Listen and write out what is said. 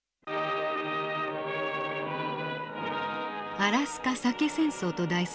「アラスカサケ戦争」と題する